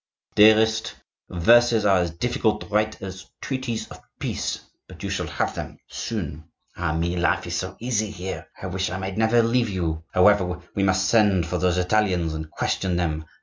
"Dearest, verses are as difficult to write as treaties of peace; but you shall have them soon. Ah, me! life is so easy here, I wish I might never leave you. However, we must send for those Italians and question them.